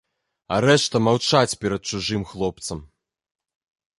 А рэшта маўчаць перад чужым хлопцам.